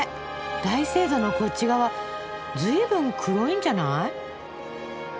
大聖堂のこっち側ずいぶん黒いんじゃない？